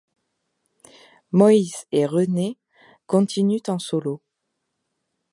Moïz et René continuent en solo.